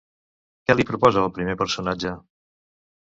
Què li proposa el primer personatge?